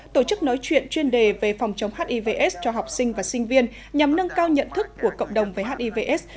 tổ chức nói chuyện chuyên đề về phòng chống hiv aids cho học sinh và sinh viên nhằm nâng cao nhận thức của cộng đồng với hivs